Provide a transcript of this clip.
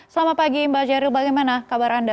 selamat pagi mbak jehril bagaimana kabar anda